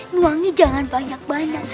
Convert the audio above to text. nuangnya jangan banyak banyak